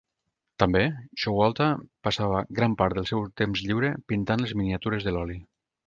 També, Showalter passava gran part del seu temps lliure pintant les miniatures de l'oli.